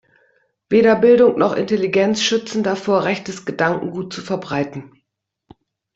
Weder Bildung noch Intelligenz schützen davor, rechtes Gedankengut zu verbreiten.